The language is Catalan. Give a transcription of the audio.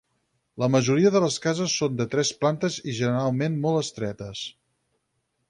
La majoria de les cases són de tres plantes i generalment molt estretes.